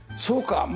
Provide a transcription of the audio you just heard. そうか。